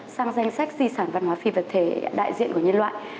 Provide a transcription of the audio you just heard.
sang danh sách di sản văn hóa phi vật thể đại diện của nhân loại